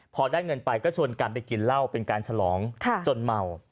พอได้เงินไปก็ชวนกันไปกินเหล้าเป็นการฉลองจนเมา